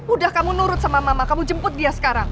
udah kamu nurut sama mama kamu jemput dia sekarang